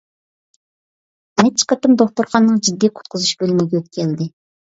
نەچچە قېتىم دوختۇرخانىنىڭ جىددىي قۇتقۇزۇش بۆلۈمىگە يۆتكەلدى.